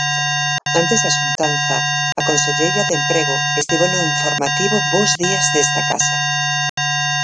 Antes da xuntanza, a conselleira de Emprego estivo no informativo Bos Días desta casa.